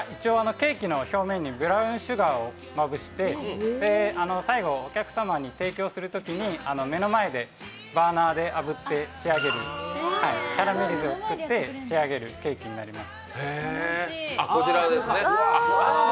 ケーキの表面にブラウンシュガーをまぶして、最後、お客様に提供するときに目の前でバーナーであぶって仕上げる、キャラメリゼを作って仕上げるケーキになります。